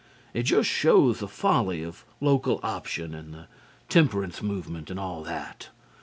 It just shows the folly of Local Option and the Temperance Movement and all that.